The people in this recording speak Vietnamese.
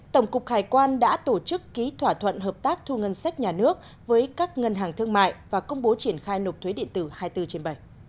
tổng cục hải quan đã tổ chức ký thỏa thuận hợp tác thu ngân sách nhà nước với các ngân hàng thương mại và công bố triển khai nộp thuế điện tử hai mươi bốn trên bảy